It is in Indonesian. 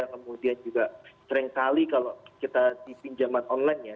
kemudian juga seringkali kalau kita di pinjaman online ya